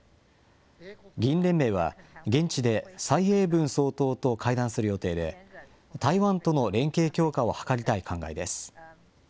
議員連盟は、現地で蔡英文総統と会談する予定で、台湾との連携強化を図りたい考えです。